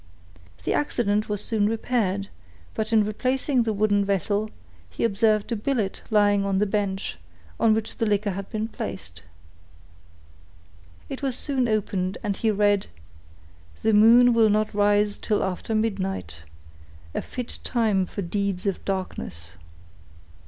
The accident was soon repaired, but in replacing the wooden vessel, he observed a billet lying on the bench, on which the liquor had been placed. It was soon opened, and he read: _"The moon will not rise till after midnight—a fit time for deeds of darkness."